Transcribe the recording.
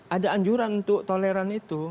ada anjuran untuk toleran itu